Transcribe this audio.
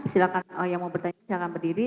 silakan yang mau bertanya silakan berdiri